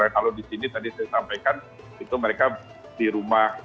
kalau di sini tadi saya sampaikan itu mereka di rumah